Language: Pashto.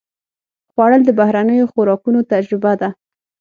خوړل د بهرنیو خوراکونو تجربه ده